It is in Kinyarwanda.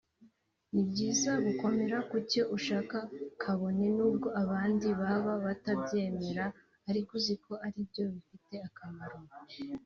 ni byiza gukomera ku cyo ushaka kabone n’ubwo abandi baba batabyemera ariko uziko ari byo bifite akamaro